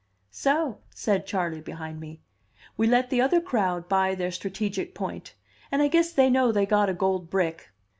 "So," said Charley behind me, "we let the other crowd buy their strategic point; and I guess they know they got a gold brick."